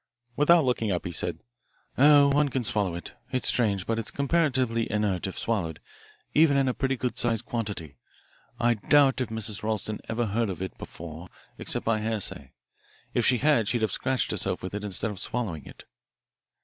Without looking up, he said: "Oh, one can swallow it it's strange, but it is comparatively inert if swallowed even in a pretty good sized quantity. I doubt if Mrs. Ralston ever heard of it before except by hearsay. If she had, she'd have scratched herself with it instead of swallowing it."